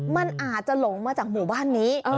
มันอาจจะหลงมาจากหมู่บ้านนี้